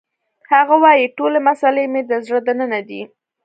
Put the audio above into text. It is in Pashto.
هغه وایی ټولې مسلې مې د زړه دننه دي